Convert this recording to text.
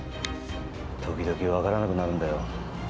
時々分からなくなるんだよ